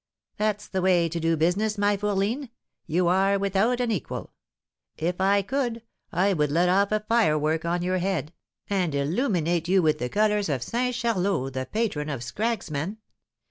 "That's the way to do business, my fourline; you are without an equal! If I could, I would let off a firework on your head, and illuminate you with the colours of Saint Charlot, the patron of 'scragsmen.'